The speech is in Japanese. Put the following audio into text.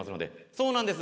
そうなんです。